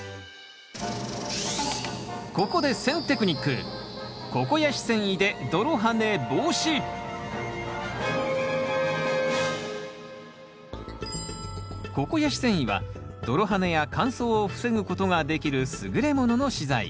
ここでココヤシ繊維は泥はねや乾燥を防ぐことができる優れものの資材。